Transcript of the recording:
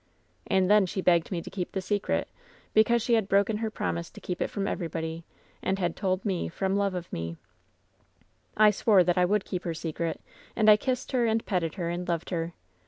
"And then she begged me to keep the secret, because 280 LOVE'S BITTEREST CUP she had broken her promise to keep it from everybody, and had told me, from love of me. *T[ swore that I would keep her secret, and I kissed her, and petted her, and loved her.